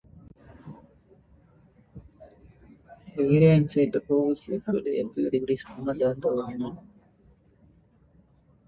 The area inside the cove is usually a few degrees warmer than the ocean.